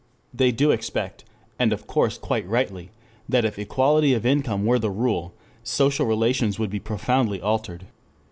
They do expect, and of course quite rightly, that if equality of income were the rule, social relations would be profoundly altered.